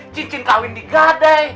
cincin kawin di gade